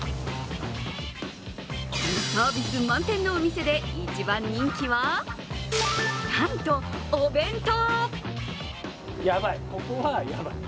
このサービス満点のお店で、一番人気はなんとお弁当。